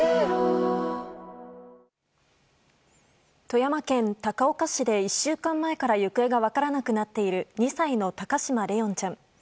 富山県高岡市で１週間前から行方が分からなくなっている２歳の高嶋怜音ちゃん。